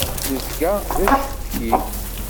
Nezga d acetki.